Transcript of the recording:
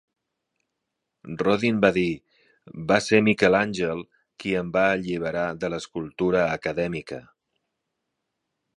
Rodin va dir: "Va ser Miquel Àngel qui em va alliberar de l'escultura acadèmica".